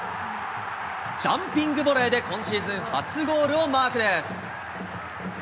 ジャンピングボレーで、今シーズン初ゴールをマークです。